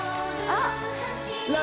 あっ！